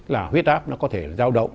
là huyết áp nó có thể giao động